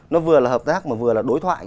nó vừa là hợp tác mà vừa là đối thoại